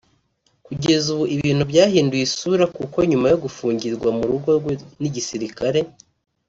Kugeza ubu ibintu byahinduye isura kuko nyuma yo gufungirwa mu rugo rwe n’igisirikare